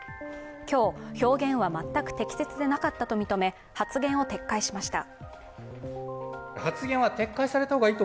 今日、表現は全く適切でなかったと認め、発言を撤回しました。